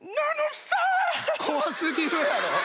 怖すぎるやろ！